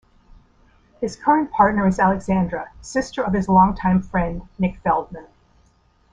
His current partner is Alexandra, sister of his long-time friend Nick Feldman.